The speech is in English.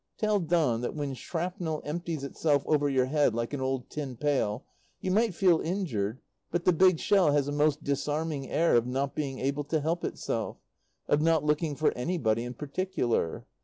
Tell Don that when shrapnel empties itself over your head like an old tin pail, you might feel injured, but the big shell has a most disarming air of not being able to help itself, of not looking for anybody in particular.